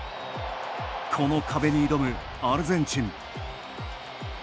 この壁に挑むアルゼンチン。